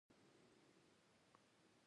په هېڅ پلمه هم درناوی له منځه نه شي تللی.